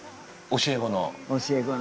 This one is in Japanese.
教え子の。